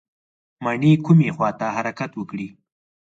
مڼې کومې خواته حرکت وکړي؟